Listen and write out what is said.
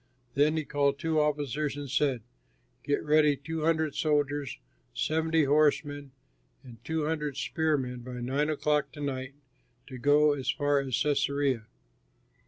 Then he called two officers and said, "Get ready two hundred soldiers, seventy horsemen, and two hundred spearmen by nine o'clock to night to go as far as Cæsarea."